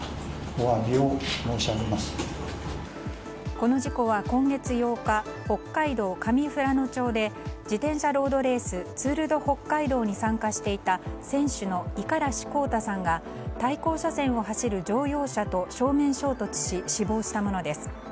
この事故は今月８日、北海道上富良野町で自転車ロードレースツール・ド・北海道に参加していた選手の五十嵐洸太さんが対向車線を走る乗用車と正面衝突し、死亡したものです。